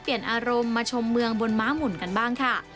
เปลี่ยนอารมณ์มาชมเมืองบนม้ามุ่นกันบ้างค่ะ